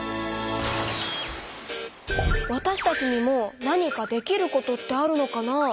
わたしたちにも何かできることってあるのかな？